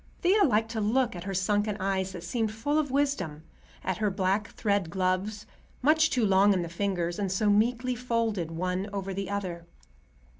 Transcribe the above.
Thea liked to look at her sunken eyes that seemed full of wisdom, at her black thread gloves, much too long in the fingers and so meekly folded one over the other.